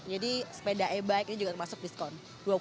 jadi sepeda e bike ini juga termasuk diskon